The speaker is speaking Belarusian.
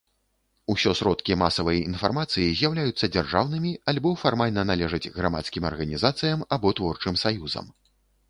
Усё сродкі масавай інфармацыі з'яўляюцца дзяржаўнымі альбо фармальна належаць грамадскім арганізацыям або творчым саюзам.